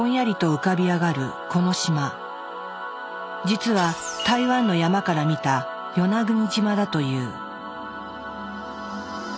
実は台湾の山から見た与那国島だという。